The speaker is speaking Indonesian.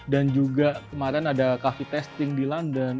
dan juga kemarin ada coffee testing di london